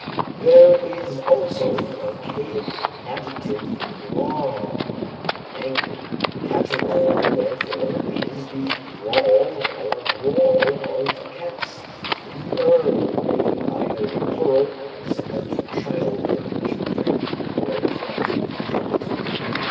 There is also the archaic adjective wraw (angry). Caterwaul, therefore, is the wawl or wrawl of cats; the er being either a plural, similar to "childer" (children), or a corrupted genitive.